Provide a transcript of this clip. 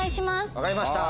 分かりました。